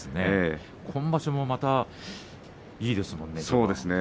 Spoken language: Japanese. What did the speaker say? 今場所もまたいいですよね。